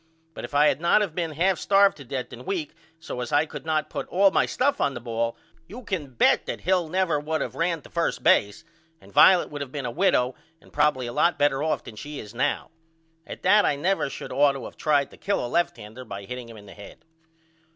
But if I had not of been 1/2 starved to death and weak so as I could not put all my stuff on the ball you can bet that Hill never would of ran to first base and Violet would of been a widow and probily a lot better off than she is now. At that I never should ought to of tried to kill a left hander by hitting him in the head.